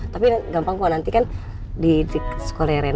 tapi gampang kok nanti kan di sekolah yang